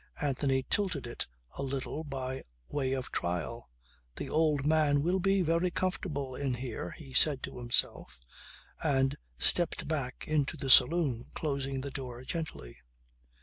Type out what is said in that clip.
Anthony tilted it a little by way of trial. "The old man will be very comfortable in here," he said to himself, and stepped back into the saloon closing the door gently.